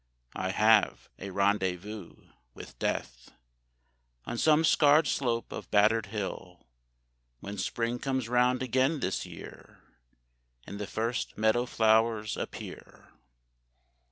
I have a rendezvous with Death On some scarred slope of battered hill, When Spring comes round again this year And the first meadow flowers appear.